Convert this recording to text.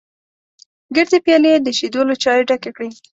ګردې پيالې یې د شیدو له چایو ډکې کړې.